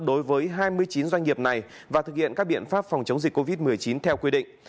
đối với hai mươi chín doanh nghiệp này và thực hiện các biện pháp phòng chống dịch covid một mươi chín theo quy định